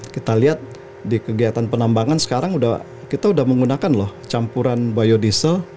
kita lihat di kegiatan penambangan sekarang kita sudah menggunakan loh campuran biodiesel